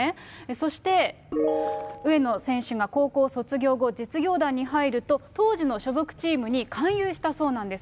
そして上野選手が高校卒業後、実業団に入ると、当時の所属チームに勧誘したそうなんです。